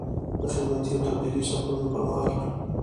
د خدمتي او تبدیلي سفرونو پر مهال.